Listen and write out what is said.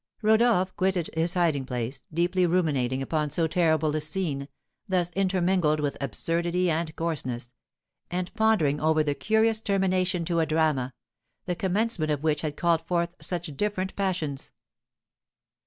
Rodolph quitted his hiding place, deeply ruminating upon so terrible a scene, thus intermingled with absurdity and coarseness, and pondering over the curious termination to a drama, the commencement of which had called forth such different passions.